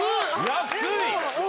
安い！